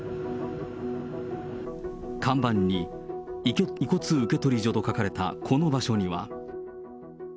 看板に、遺骨受け取り所と書かれたこの場所には。